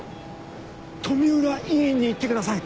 富浦医院に行ってください。